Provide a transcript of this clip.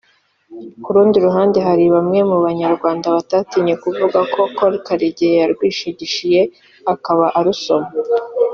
Ku rundi ruhande hari bamwe mu banyarwanda batatinye kuvuga ko Col Karegeya yarwishigishiye akaba arusomye